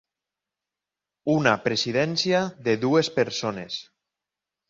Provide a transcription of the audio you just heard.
Una presidència de dues persones.